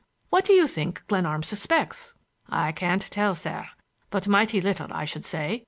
What do you think Glenarm suspects?" "I can't tell, sir, but mighty little, I should say.